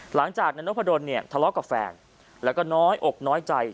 หลังจากนันโภดนเนี่ยทะเลาะกับแฟนแล้วก็น้อยอกน้อยใจ